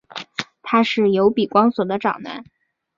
他是由比光索的长男。